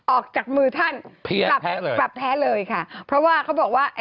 ออกจากมือท่านกลับแพ้เลยค่ะเพราะว่าเขาบอกว่า